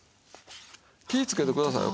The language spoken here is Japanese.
気ぃつけてくださいよ